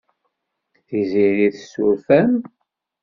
Tiziri tessuref-am.